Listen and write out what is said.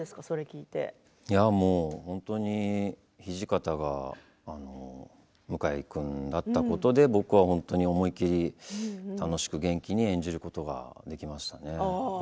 いやあ、もう本当に土方が向井君だったことで僕は思い切り楽しく元気に演じることができましたね。